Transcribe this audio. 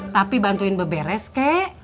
tapi bantuin beberes kek